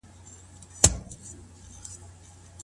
ولي هڅاند سړی د هوښیار انسان په پرتله ډېر مخکي ځي؟